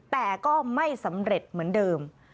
แต่ก็ไม่สำเร็จเหมือนเดิม